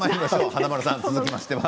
華丸さん、続きましては。